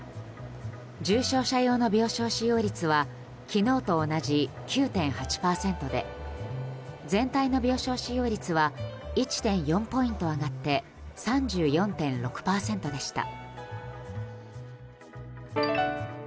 重症者用の病床使用率は昨日と同じ９．８％で全体の病床使用率は１．４ポイント上がって３４．６％でした。